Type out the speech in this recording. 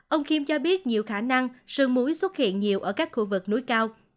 ông khiêm cho biết nhiều khả năng sơn múi xuất hiện nhiều ở các khu vực núi cao